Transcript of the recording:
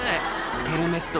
ヘルメット